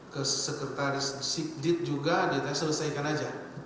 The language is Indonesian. ke sekretaris sikdit juga diselesaikan aja